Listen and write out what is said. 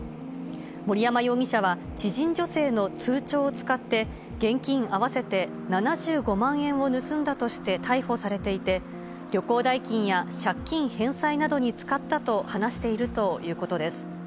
森山容疑者は知人女性の通帳を使って、現金合わせて７５万円を盗んだとして逮捕されていて、旅行代金や借金返済などに使ったと話しているということです。